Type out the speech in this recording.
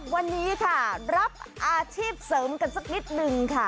วันนี้ค่ะรับอาชีพเสริมกันสักนิดนึงค่ะ